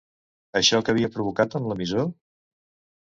Això que havia provocat en l'emissor?